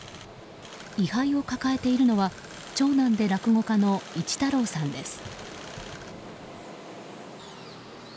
位牌を抱えているのは長男で落語家の一太郎さんです。